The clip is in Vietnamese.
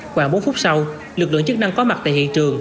khoảng bốn phút sau lực lượng chức năng có mặt tại hiện trường